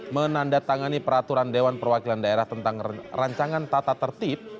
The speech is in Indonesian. menandatangani peraturan dewan perwakilan daerah tentang rancangan tata tertib